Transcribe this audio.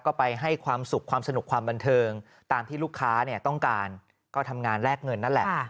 ก็ไปให้ความสุขความสนุกความบันเทิงตามที่ลูกค้าต้องการก็ทำงานแลกเงินนั่นแหละ